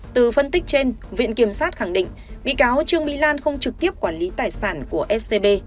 từ phân tích trên viện kiểm sát khẳng định bị cáo trương mỹ lan không trực tiếp quản lý tài sản của scb